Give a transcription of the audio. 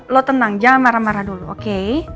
lo tenang jangan marah marah dulu oke